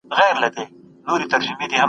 نن مي د عمر فیصله ده سبا نه راځمه.